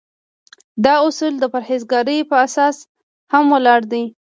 دا اصول د پرهیزګارۍ په اساس هم ولاړ دي.